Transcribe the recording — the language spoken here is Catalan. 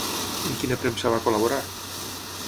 En quina premsa va col·laborar?